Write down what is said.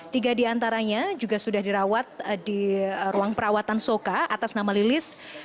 tiga di antaranya juga sudah dirawat di ruang perawatan soka atas nama lilis